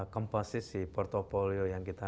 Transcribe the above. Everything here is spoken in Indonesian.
komposisi portofolio yang kita